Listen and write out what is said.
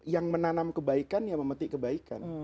yang menanam kebaikan ya memetik kebaikan